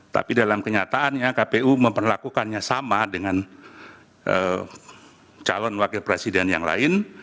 tapi dalam kenyataannya kpu memperlakukannya sama dengan calon wakil presiden yang lain